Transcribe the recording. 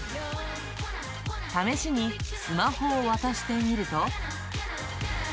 試しにスマホを渡してみると。